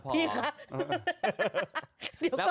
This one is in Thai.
พี่คะ